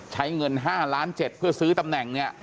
ใช้เงิน๕ล้าน๗เพื่อซื้อตำแหน่งเนี่ย